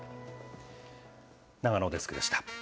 永野デスクでした。